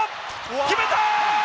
決めた！